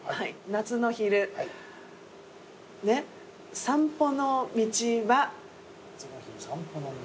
「夏の昼散歩の道は」